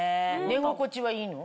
寝心地はいいの？